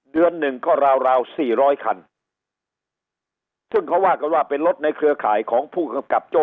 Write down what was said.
หนึ่งก็ราวราวสี่ร้อยคันซึ่งเขาว่ากันว่าเป็นรถในเครือข่ายของผู้กำกับโจ้